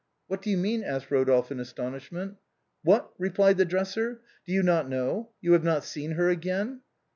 " What do you mean ?" asked Eodolphe in astonishment. " What," replied the dresser, " do you not know ? you have not seen her again